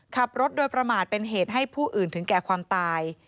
ขับรถโดยประมาทเป็นเหตุให้ผู้อื่นถึงแก่ความตาย